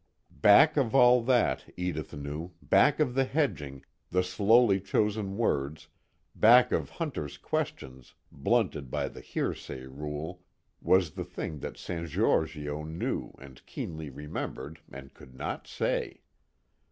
Back of all that, Edith knew back of the hedging, the slowly chosen words, back of Hunter's questions blunted by the hearsay rule was the thing that San Giorgio knew and keenly remembered and could not say.